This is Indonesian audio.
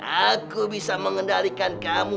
aku bisa mengendalikan kamu